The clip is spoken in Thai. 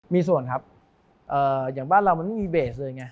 มีส่วนครับอย่างบ้านเรามันไม่มีเบสเลยไง